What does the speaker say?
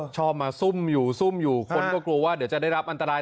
ชอบมาซุ่มอยู่ซุ่มอยู่คนก็กลัวว่าเดี๋ยวจะได้รับอันตราย